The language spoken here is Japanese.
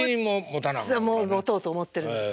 もう持とうと思ってるんです。